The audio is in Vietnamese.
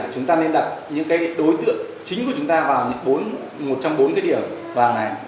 chúng ta nên đặt những cái đối tượng chính của chúng ta vào một trong bốn cái điểm vào ngày